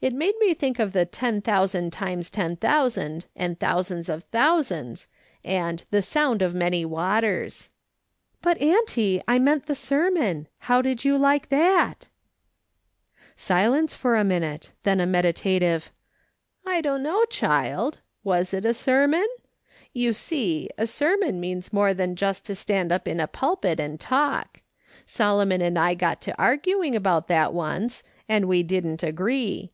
It made me think of the 'ten thousand times ten thousand, and thousands of thousands/ and the ' sound of many waters.' " 126 MRS. SOLOMON SMITH LOOKING ON. " But, auntie, I meant tlie sermon ; how did you like that ?" Silence for a minute, then a meditative " I dunno, child. Was it a sermon ? You see, a sermon means more than just to stand up in a pulpit and talk. Solomon and I got to arguing about that once, and we didn't agree.